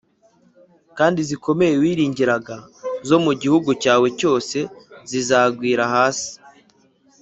kandi zikomeye wiringiraga zo mu gihugu cyawe cyose zizagwira hasi.